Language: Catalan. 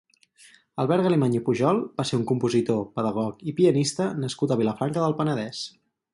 Albert Galimany i Pujol va ser un compositor, pedagog i pianista nascut a Vilafranca del Penedès.